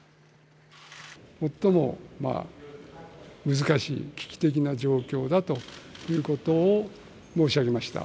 最も難しい、危機的な状況だということを申し上げました。